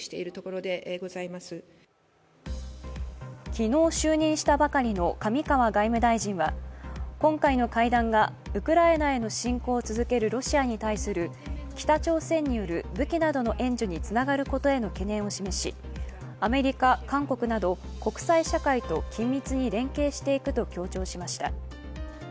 昨日、就任したばかりの上川外務大臣は今回の会談がウクライナへの侵攻を続けるロシアに対する北朝鮮による武器などの援助につながることへの懸念を示し、アメリカ、韓国など国際社会と緊密に連携していくと強調しました。